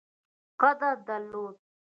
قدر درلود.